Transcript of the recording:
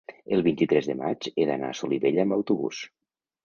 el vint-i-tres de maig he d'anar a Solivella amb autobús.